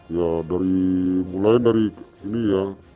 ya mulai dari ini ya